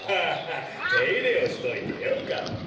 ッていれをしといてよかった。